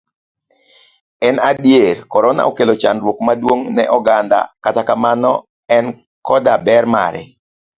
En adier, korona okelo chandruok maduong' ne oganda, kata kamano, en koda ber mare.